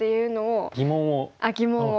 疑問を？